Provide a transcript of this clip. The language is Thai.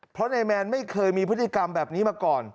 เพราะนายแมนไม่เคยมีพฤติกรรมแบบนี้มาก่อน